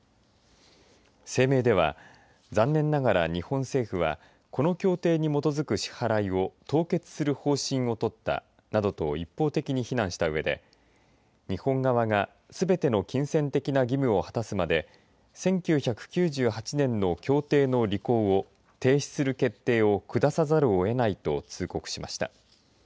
声明では残念ながら、日本政府はこの協定に基づく支払いを凍結する方針を取ったなどと一方的に非難したうえで日本側がすべての金銭的な義務を果たすまで１９９８年の協定の履行を停止する決定を下さざるをえないと通告しました。